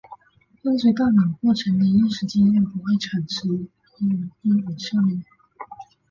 伴随大脑过程的意识经验不会产生因果效用。